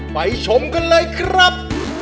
ชมกันเลยครับ